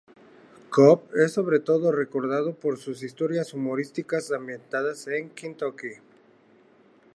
Cobb es sobre todo recordado por sus historias humorísticas ambientadas en Kentucky.